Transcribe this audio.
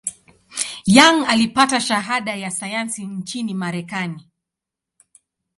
Young alipata shahada ya sayansi nchini Marekani.